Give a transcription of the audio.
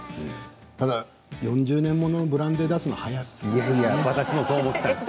ただ４０年もののブランデーを出すのは早いですよ。